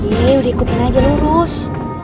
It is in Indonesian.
ini udah ikutin aja lurus